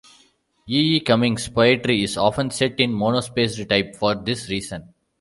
E. E. Cummings' poetry is often set in monospaced type for this reason.